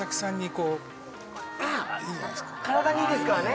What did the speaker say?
こう体にいいですからね。